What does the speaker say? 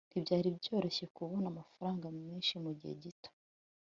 ntibyari byoroshye kubona amafaranga menshi mugihe gito